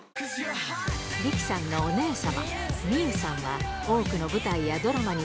リキさんのお姉様